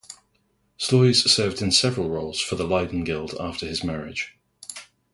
Sluys served in several roles for the Leiden guild after his marriage.